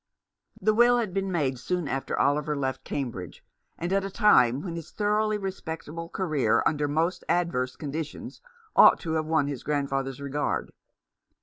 The will had been made soon after Oliver left Cambridge, and at a time when his thoroughly respectable career under most adverse conditions ought to have won his grandfather's regard.